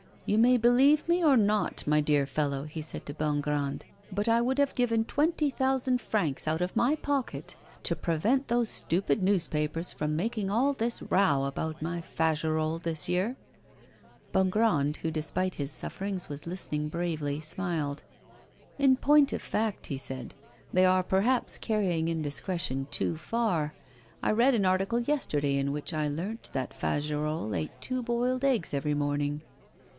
'You may believe me or not, my dear fellow,' he said to Bongrand, 'but I would have given twenty thousand francs out of my pocket to prevent those stupid newspapers from making all this row about my Fagerolles this year.' Bongrand, who, despite his sufferings, was listening bravely, smiled. 'In point of fact,' he said, 'they are perhaps carrying indiscretion too far. I read an article yesterday in which I learnt that Fagerolles ate two boiled eggs every morning.